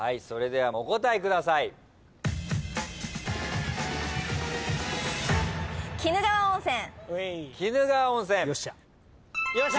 それではお答えください。